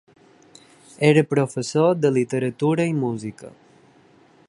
Era professor de literatura i música.